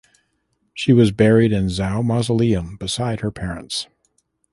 She was buried in Zhao Mausoleum beside her parents.